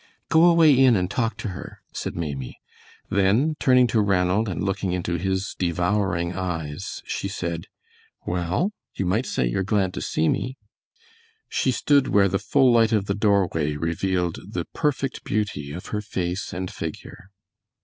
"Go away in and talk to her," said Maimie. Then turning to Ranald and looking into his devouring eyes, she said, "Well? You might say you're glad to see me." She stood where the full light of the doorway revealed the perfect beauty of her face and figure.